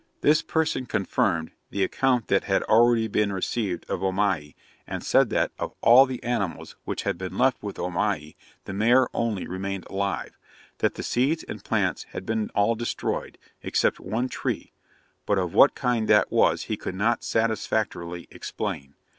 This person confirmed, the account that had already been received of Omai, and said that, of all the animals which had been left with Omai, the mare only remained alive; that the seeds and plants had been all destroyed, except one tree: but of what kind that was, he could not satisfactorily explain.